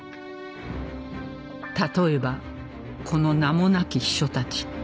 例えばこの名もなき秘書たち